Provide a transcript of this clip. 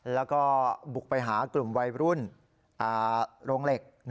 แล้วก็บุกไปหากลุ่มวัยรุ่นโรงเหล็ก